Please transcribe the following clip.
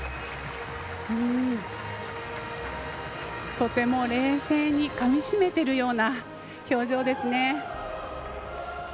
とても冷静にかみ締めているような表情ですね。